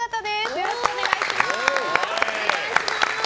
よろしくお願いします。